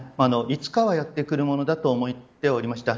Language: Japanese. いつかはやってくるものだと思っておりました。